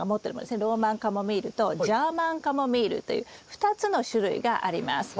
ローマンカモミールとジャーマンカモミールという２つの種類があります。